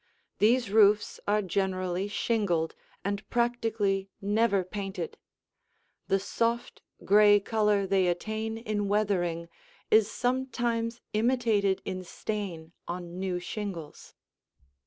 These roofs are generally shingled and practically never painted; the soft gray color they attain in weathering is sometimes imitated in stain on new shingles.